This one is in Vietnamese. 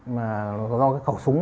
mà do cái khẩu súng